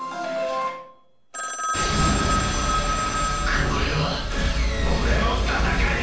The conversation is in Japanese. これは俺の戦いだ！